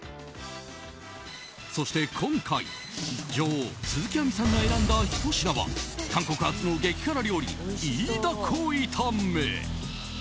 そして今回、女王鈴木亜美さんが選んだひと品は韓国発の激辛料理、イイダコ炒め。